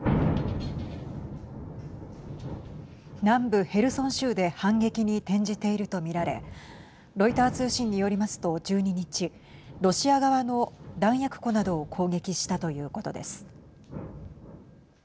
南部ヘルソン州で反撃に転じていると見られロイター通信によりますと１２日ロシア側の弾薬庫などを攻撃したということです。